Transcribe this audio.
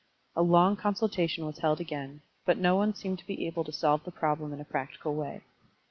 A long consultation was held again, but no one seemed to be able to solve the problem in a practical way.